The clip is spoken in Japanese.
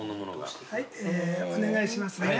はいお願いします。